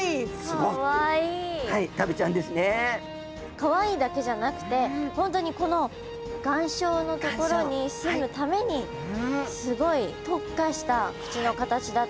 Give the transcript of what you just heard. かわいいだけじゃなくて本当にこの岩礁の所にすむためにすごい特化した口の形だったり生活だったんですね。